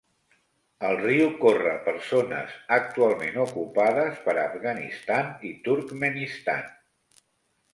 El riu corre per zones actualment ocupades per Afganistan i Turkmenistan.